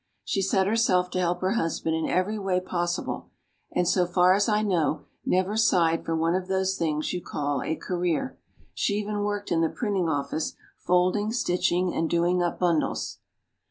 She set herself to help her husband in every way possible, and so far as I know, never sighed for one of those things you call "a career." She even worked in the printing office, folding, stitching, and doing up bundles.